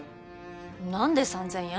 何で３，０００円？